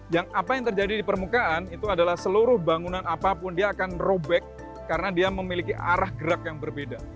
yang apa yang terjadi di permukaan itu adalah seluruh bangunan apapun dia akan robek karena dia memiliki arah gerak yang berbeda